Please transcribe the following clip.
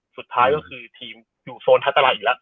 สุดท้ายก็คือทีมอยู่โซนท้ายตลาดอีกแล้ว